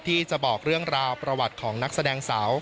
ที่จะบอกเรื่องราวประวัติของนักแสดงสาว